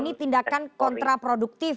ini tindakan kontraproduktif